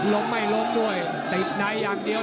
ไม่ลงด้วยติดในอย่างเดียว